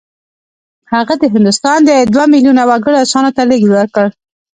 هغه د هندوستان د دوه میلیونه وګړو اذهانو ته لېږد ورکړ